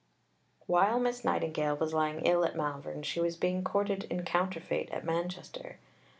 While Miss Nightingale was lying ill at Malvern, she was being courted in counterfeit at Manchester.